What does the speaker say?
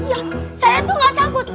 iya saya tuh gak takut